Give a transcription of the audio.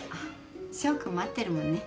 「翔君待ってるもんね」